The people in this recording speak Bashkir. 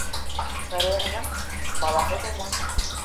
Мәрйәһенең... балаһы булманы.